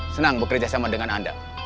senang bekerja sama dengan anda